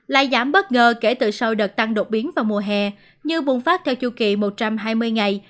lai giảm bất ngờ kể từ sau đợt tăng đột biến vào mùa hè như bùng phát theo chu kỳ một trăm hai mươi ngày